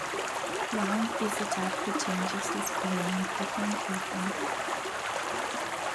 Wang is the type who changes his playing equipment often.